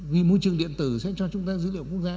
vì môi trường điện tử sẽ cho chúng ta dữ liệu quốc gia